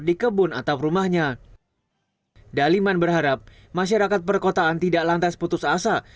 daliman berharap masyarakat perkotaan tidak lantas putus asa